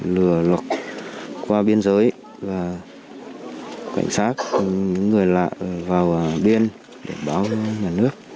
lừa lọc qua biên giới và cảnh sát những người lạ vào biên để báo nhà nước